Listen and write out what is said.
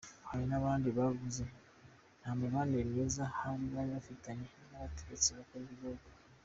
Hari n’abandi bavuze nta mibanire myiza bari bafitanye n’abategetsi bakuru b’igihugu.